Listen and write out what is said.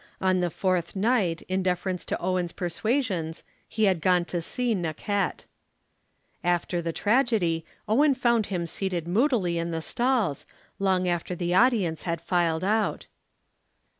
On the fourth night in deference to Owen's persuasions he had gone to see Naquette. After the tragedy, Owen found him seated moodily in the stalls, long after the audience had filed out.